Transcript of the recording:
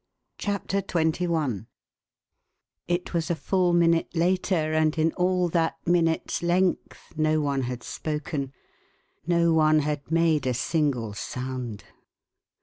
CHAPTER XXI It was a full minute later and in all that minute's length no one had spoken, no one had made a single sound.